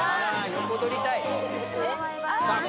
横取りたいさあ